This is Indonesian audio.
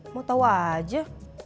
mau tau aja